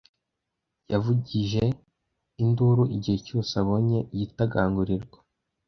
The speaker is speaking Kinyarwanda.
Yavugije induru igihe cyose abonye igitagangurirwa.